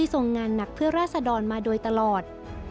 ทรงงานหนักเพื่อราศดรมาโดยตลอด